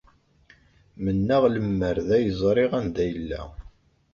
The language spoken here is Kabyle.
Mennaɣ lemmer d ay ẓriɣ anda yella!